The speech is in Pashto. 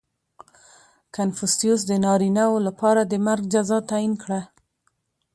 • کنفوسیوس د نارینهوو لپاره د مرګ جزا تعیین کړه.